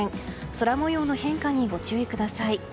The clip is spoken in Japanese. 空模様の変化にご注意ください。